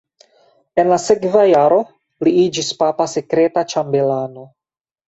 En la sekva jaro li iĝis papa sekreta ĉambelano.